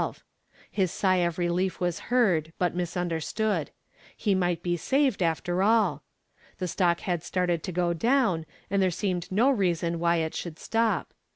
His sigh of relief was heard but misunderstood. He might be saved after all. The stock had started to go down and there seemed no reason why it should stop.